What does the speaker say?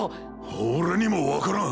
俺にも分からん。